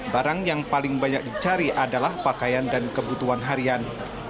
barang yang paling banyak dicari adalah pakaian dan kebutuhan harian